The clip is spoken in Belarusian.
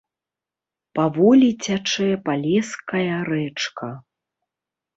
Паволі цячэ палеская рэчка.